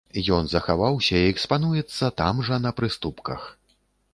Ён захаваўся і экспануецца там жа на прыступках.